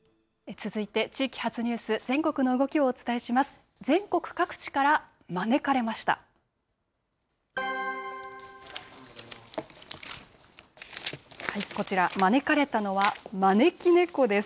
続いて地域発ニュース、全国の動きをお伝えします。